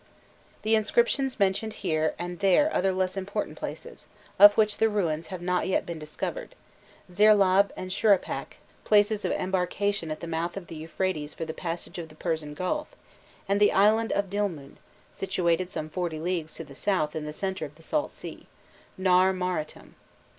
The inscriptions mention here and there other less important places, of which the ruins have not yet been discovered Zirlab and Shurippak, places of embarkation at the mouth of the Euphrates for the passage of the Persian Gulf; and the island of Dilmun, situated some forty leagues to the south in the centre of the Salt Sea, "Nar Marratum."